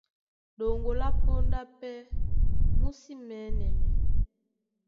Ɗoŋgo lá póndá pɛ́ mú sí mɛ̌nɛnɛ.